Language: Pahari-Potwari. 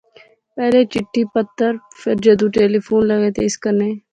پہلے چٹھی پتر، فیر جدوں ٹیلیفون لاغے تے اس کنے